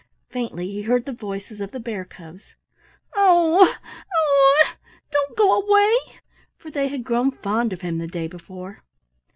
Faintly he heard the voices of the bear cubs: "Owie! owie! don't go away"; for they had grown fond of him the day before.